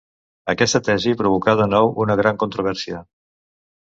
Aquesta tesi provocà de nou una gran controvèrsia.